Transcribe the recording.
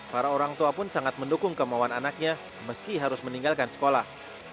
para orang tua pun sangat mendukung kemauan anaknya meski harus meninggalkan sekolah